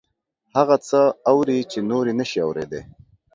هغه څه اوري چې نور یې نشي اوریدلی